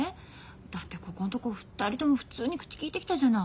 だってここんとこ２人とも普通に口きいてきたじゃない。